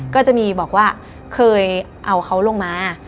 ก็จะมีบอกว่าเคยเอาเขาลงมา